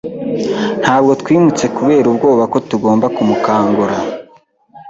Ntabwo twimutse kubera ubwoba ko tugomba kumukangura.